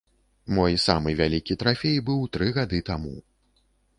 Мой самы вялікі трафей быў тры гады таму.